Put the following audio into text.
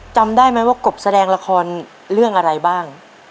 จำได้ไหมว่ากบแสดงละครเรื่องอะไรบ้าง